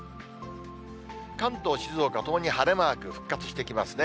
関東、静岡ともに晴れマーク、復活してきますね。